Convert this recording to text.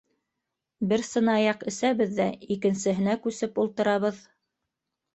— Бер сынаяҡ әсәбеҙ ҙә икенсеһенә күсеп ултырабыҙ.